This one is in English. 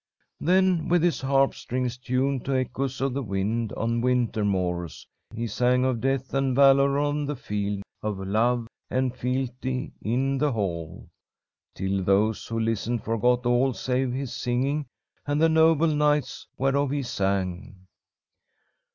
"Then with his harp strings tuned to echoes of the wind on winter moors, he sang of death and valour on the field, of love and fealty in the hall, till those who listened forgot all save his singing and the noble knights whereof he sang.